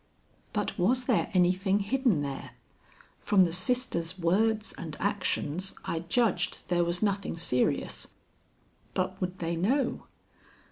But was there anything hidden there? From the sisters' words and actions I judged there was nothing serious, but would they know?